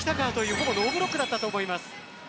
ほぼノーブロックだったと思います。